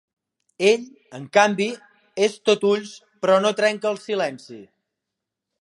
Ell, en canvi, és tot ulls però no trenca el silenci.